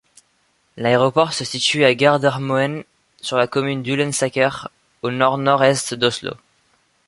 L'aéroport se situe à Gardermoen sur la commune d'Ullensaker, à au nord nord-est d'Oslo.